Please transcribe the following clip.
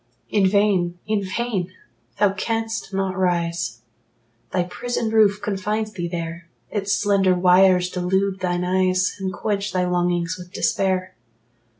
In vain in vain! Thou canst not rise: Thy prison roof confines thee there; Its slender wires delude thine eyes, And quench thy longings with despair.